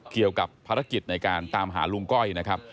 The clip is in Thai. เกี่ยวกับภารกิจในการตามหาลุงก้อยนะครับ